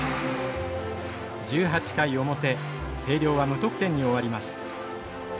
１８回表星稜は無得点に終わります。